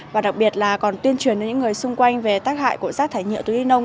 và đặc biệt là còn tuyên truyền đến những người xung quanh về tác hại của rác thải nhựa túi ni lông